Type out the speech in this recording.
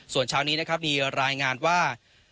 ส่วนเช้านี้นะครับมีรายงานว่า